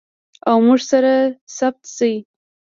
او موږ سره ثبت شي.